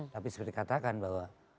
tapi seperti katakan bahwa